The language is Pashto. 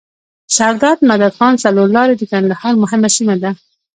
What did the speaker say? سردار مدد خان څلور لاری د کندهار مهمه سیمه ده.